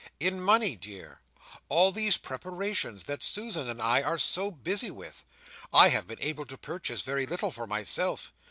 "In money, dear. All these preparations that Susan and I are so busy with—I have been able to purchase very little for myself.